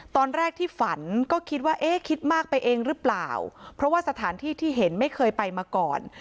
ตอนแรกที่ฝันก็คิดว่าเอ๊ะคิดมากไปเองหรือเปล่าเพราะว่าสถานที่ที่เห็นไม่เคยไปมาก่อน